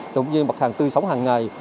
cũng như mặt hàng tư sống hàng ngày